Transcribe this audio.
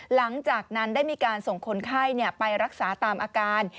หลังจากนั้นได้มีการส่งคนไข้ไปรักษาตามอาการ